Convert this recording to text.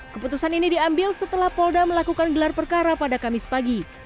keputusan ini diambil setelah polda melakukan gelar perkara pada kamis pagi